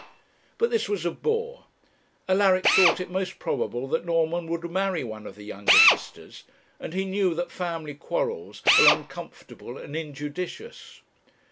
But this was a bore. Alaric thought it most probable that Norman would marry one of the younger sisters, and he knew that family quarrels are uncomfortable and injudicious.